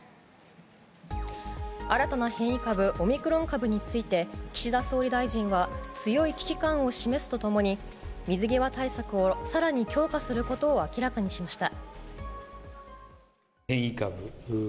新たな変異株オミクロン株について岸田総理大臣は強い危機感を示すと共に水際対策を更に強化することを明らかにしました。